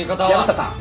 藪下さん